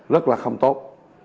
rất là không tốt